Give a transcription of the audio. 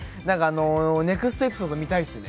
ネクストエピソード見たいですね。